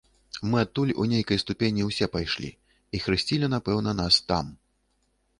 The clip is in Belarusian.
Мы адтуль у нейкай ступені ўсе пайшлі і хрысцілі, напэўна, нас там.